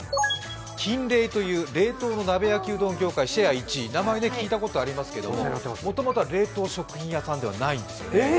キンレイという冷凍の鍋焼きうどん、シェア１位、名前は聞いたことありますけど、もともとは冷凍食品屋さんではないんです。